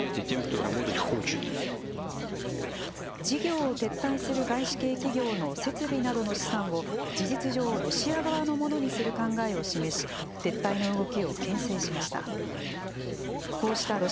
事業を撤退する外資系企業の設備などの資産を事実上、ロシア側のものにする考えを示し撤退の動きをけん制しました。